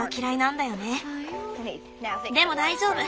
でも大丈夫。